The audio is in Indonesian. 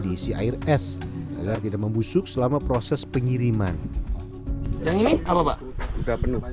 diisi air es agar tidak membusuk selama proses pengiriman yang ini apa pak udah penuh